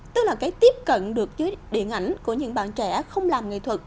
tức là cái tiếp cận được điện ảnh của những bạn trẻ không làm nghệ thuật